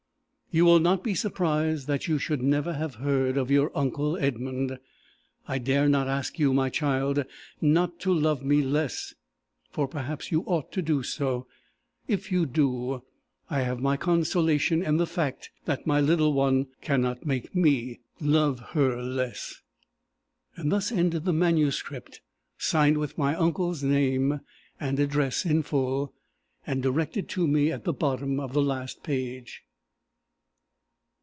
"You will not be surprised that you should never have heard of your uncle Edmund. "I dare not ask you, my child, not to love me less; for perhaps you ought to do so. If you do, I have my consolation in the fact that my little one cannot make me love her less." Thus ended the manuscript, signed with my uncle's name and address in full, and directed to me at the bottom of the last page.